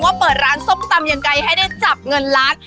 เปิดร้านส้มตำยังไงให้ได้จับเงินล้าน